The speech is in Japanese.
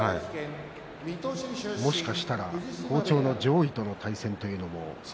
もしかしたら好調の上位との対戦というのも。